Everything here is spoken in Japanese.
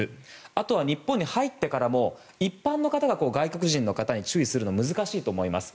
あとは日本に入ってからも一般の方が外国人の方に注意するのは難しいと思います。